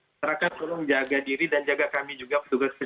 masyarakat tolong jaga diri dan jaga kami juga